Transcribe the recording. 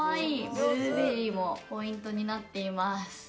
ブルーベリーもポイントになっています。